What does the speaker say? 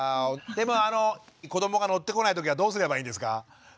でも子どもが乗ってこない時はどうすればいいんですか？